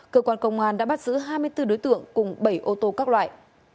cơ quan công an đã bắt giữ hai mươi bốn đối tượng cùng bảy ô tô các loại